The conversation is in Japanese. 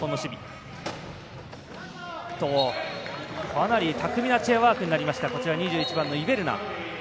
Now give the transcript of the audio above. かなり巧みなチェアワーク２１番のイベルナ。